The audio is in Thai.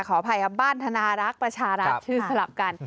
ขออภัยครับบ้านธนารักษ์ประชารัฐชื่อสลับกัน